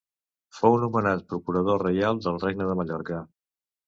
Fou nomenat procurador reial del Regne de Mallorca.